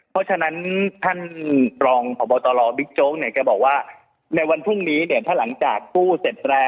ก็จะมาแถลงอีกทีในช่วง๖โมงเย็น